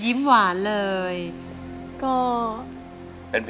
มาถึงการเปลี่ยนขันของเรากันต่อเลยนะน้องแก้ม